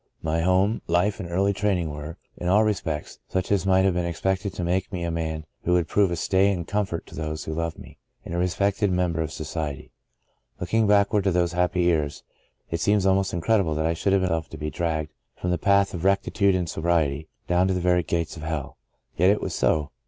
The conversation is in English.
My home, life and early training were, in all respects, such as might have been expected to make me a man who would prove a stay and comfort to those who loved me, and a respected mem ber of society. Looking backward to those happy years, it seems almost incredible that I should have allowed myself to be dragged from th& path of rectitude and sobriety, down to the very gates of hell. Yet it was so.